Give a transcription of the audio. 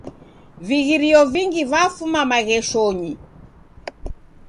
Vighirio vingi vafuma magheshonyi.